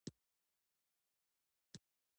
ظاهر قدير دوړې ولي چې زه دوه سوه پينځوس ګاډي لرم.